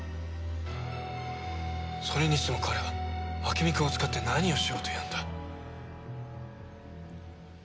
それにしても彼は朱美くんを使って何をしようというんだ？